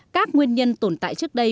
các nguyên nhân tồn tại trước đây